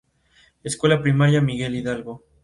Es padre de la actriz Bárbara Goenaga.